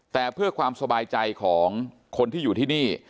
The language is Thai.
แต่เพื่อความสบายใจของคนที่อยู่ที่นี่